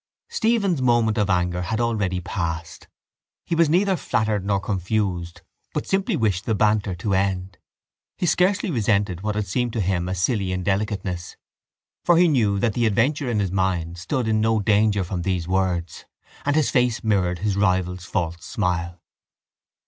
Stephen's moment of anger had already passed. He was neither flattered nor confused but simply wished the banter to end. He scarcely resented what had seemed to him a silly indelicateness for he knew that the adventure in his mind stood in no danger from these words: and his face mirrored his rival's false smile.